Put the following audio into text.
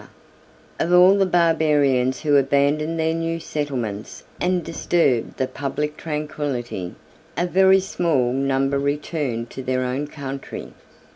] Of all the barbarians who abandoned their new settlements, and disturbed the public tranquillity, a very small number returned to their own country.